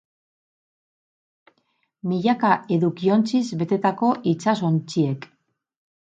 Milaka edukiontziz betetako itsas-ontziek.